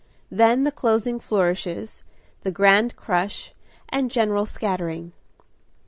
Then the closing flourishes, the grand crush, and general scattering.